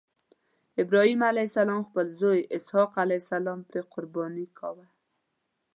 ابراهیم علیه السلام خپل زوی اسحق علیه السلام پرې قرباني کاوه.